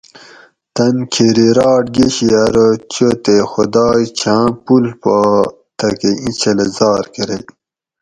تن کھیریراٹ گشی ارو چو تے خدائ چھاں پوڷ پا تھکہ ایں چھلہ زار کرئ